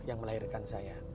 yang melahirkan saya